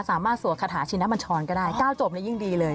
สามารถสวดขาดหาชิ้นนักบัญชรก็ได้ก้าวจบได้ยิ่งดีเลย